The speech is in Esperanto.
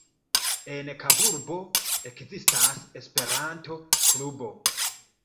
En Kaburbo ekzistas Esperanto-klubo.